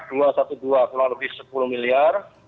kurang lebih rp sepuluh miliar